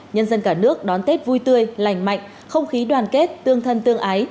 nhân dân cả nước đón tết vui tươi lành mạnh không khí đoàn kết tương thân tương ái